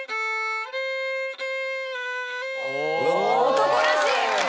男らしい！